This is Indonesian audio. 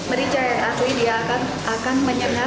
merica yang asli akan menyenat hidup kita itu yang merica yang asli